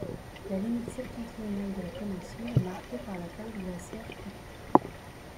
La limite septentrionale de la péninsule est marquée par la calotte glaciaire Cook.